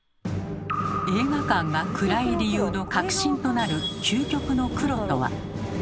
映画館が暗い理由の核心となる「究極の黒」とは。